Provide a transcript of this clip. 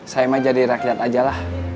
saya mah jadi rakyat ajalah